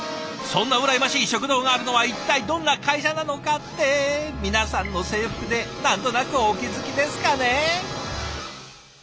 そんな羨ましい食堂があるのは一体どんな会社なのかって皆さんの制服で何となくお気付きですかね？